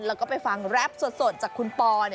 แล้วก็ไปฟังแรปสดจากคุณปอ